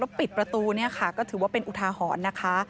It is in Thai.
ปิดประตูเนี่ยค่ะก็ถือว่าเป็นอุทาหรณ์นะคะ